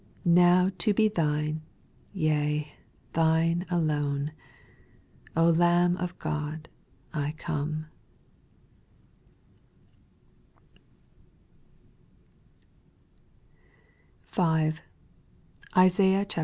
Now to be thine, yea. Thine alone, — Lamb ot God, I come I 5, Isaiah xxvi.